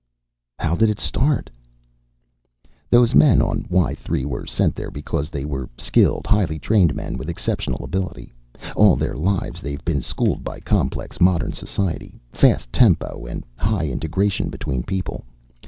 "How did it start?" "Those men on Y 3 were sent there because they were skilled, highly trained men with exceptional ability. All their lives they've been schooled by complex modern society, fast tempo and high integration between people.